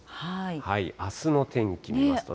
あすの天気見ますとね。